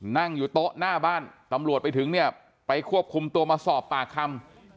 นั่งอยู่โต๊ะหน้าบ้านตำรวจไปถึงเนี่ยไปควบคุมตัวมาสอบปากคำ